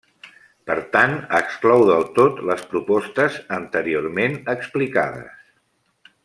Per tant, exclou del tot les propostes anteriorment explicades.